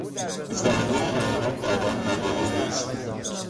ذره ای حقیقت در آن مقاله نیست.